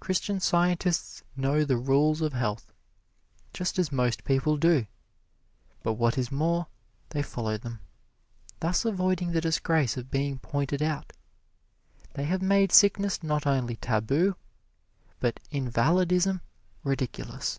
Christian Scientists know the rules of health, just as most people do; but what is more, they follow them, thus avoiding the disgrace of being pointed out. They have made sickness not only tabu, but invalidism ridiculous.